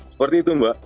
seperti itu mbak